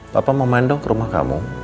papa mau mandok rumah kamu